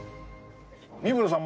三村さん